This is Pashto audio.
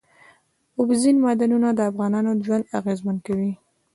اوبزین معدنونه د افغانانو ژوند اغېزمن کوي.